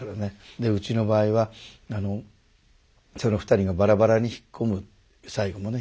でうちの場合はその２人がバラバラに引っ込む最後もね